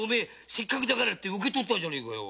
せっかくだからって受け取ったんじゃねえかよ。